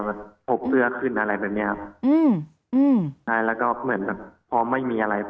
แบบพกเสื้อขึ้นอะไรแบบเนี้ยครับอืมอืมใช่แล้วก็เหมือนแบบพอไม่มีอะไร